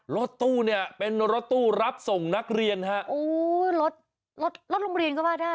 รถตู้เนี่ยเป็นรถตู้รับส่งนักเรียนฮะโอ้ยรถรถโรงเรียนก็ว่าได้